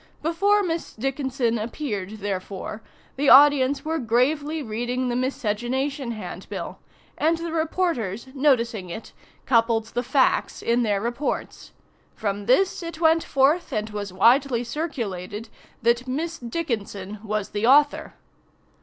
Before Miss Dickinson appeared, therefore, the audience were gravely reading the miscegenation handbill; and the reporters, noticing it, coupled the facts in their reports. From this, it went forth, and was widely circulated, that Miss Dickinson was the author!